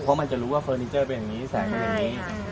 เพราะมันจะรู้ว่าเฟอร์นิเจอร์เป็นอย่างนี้แสงเป็นอย่างนี้